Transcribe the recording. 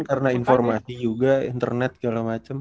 karena informasi juga internet kala macem